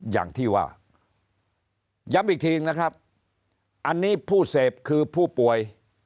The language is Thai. ย้ำอีกทีนะครับอันนี้ผู้เสพคือผู้ป่วย